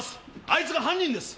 あいつが犯人です！